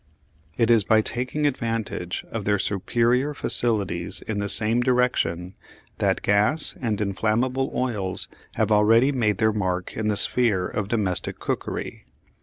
It is by taking advantage of their superior facilities in the same direction that gas and inflammable oils have already made their mark in the sphere of domestic cookery.